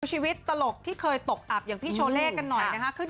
ชีวิตตลกที่เคยตกอับอย่างพี่โชเล่กันหน่อยนะคะขึ้น